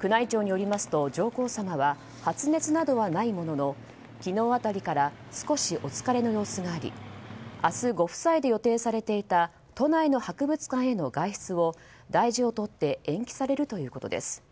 宮内庁によりますと上皇さまは発熱などはないものの昨日辺りから少しお疲れの様子があり明日、ご夫妻で予定されていた都内の博物館への外出を大事を取って延期されるということです。